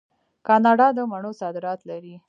کاناډا د مڼو صادرات لري.